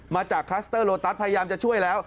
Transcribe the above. คลัสเตอร์โลตัสพยายามจะช่วยแล้ว